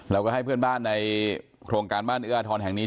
เราก็ให้เพื่อนบ้านในโครงการบ้านเอื้ออาทรแห่งนี้